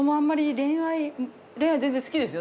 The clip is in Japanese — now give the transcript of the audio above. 恋愛全然好きですよ